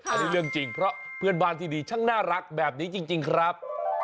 อันนี้เรื่องจริงเพราะเพื่อนบ้านที่ดีช่างน่ารักแบบนี้จริงครับ